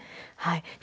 はい。